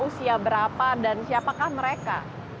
usia berapa dan siapakah mereka